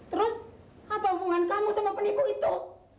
terus apa hubungan kamu sama penipu itu